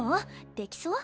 できそう？